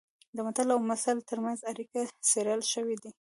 د متل او مثل ترمنځ اړیکه څېړل شوې ده